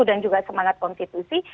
dan juga semangat konstitusi